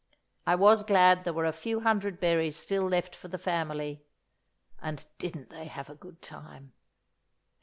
I was glad there were a few hundred berries still left for the family. And didn't they have a good time!